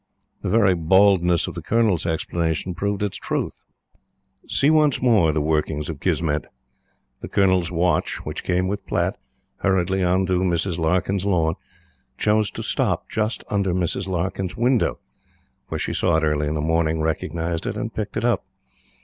The very baldness of the Colonel's explanation proved its truth. See once more the workings of Kismet! The Colonel's watch which came with Platte hurriedly on to Mrs. Larkyn's lawn, chose to stop just under Mrs. Larkyn's window, where she saw it early in the morning, recognized it, and picked it up.